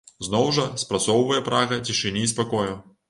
Зноў жа, спрацоўвае прага цішыні і спакою.